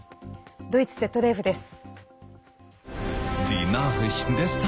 ドイツＺＤＦです。